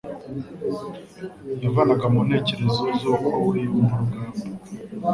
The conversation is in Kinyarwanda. yavanaga mu ntekerezo z'uko we yumva urugamba.